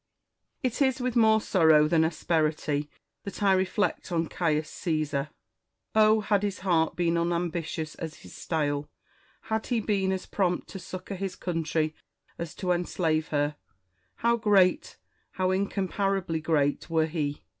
It is with more sorrow than asperity that I reflect on Caius Caesar. Oh ! had his heart been unambitious as his style, had he been as prompt to succour his country as to enslave her, how great, how incomparably great, were he